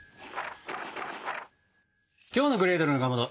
きょうの「グレーテルのかまど」